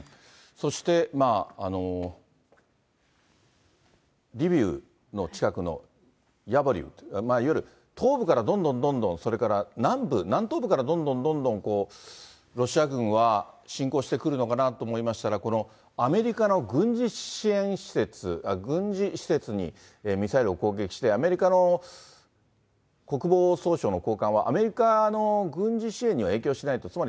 そしてリビウの近くのヤボリウ、いわゆる東部からどんどんどんどん、それから南部、南東部からどんどんどんどんロシア軍は侵攻してくるのかなと思いましたら、このアメリカの軍事支援施設、軍事施設にミサイルを攻撃して、アメリカの国防総省の高官は、アメリカの軍事支援には影響しないと。